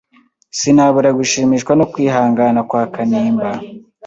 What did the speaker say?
Sinabura gushimishwa no kwihangana kwa Kanimba.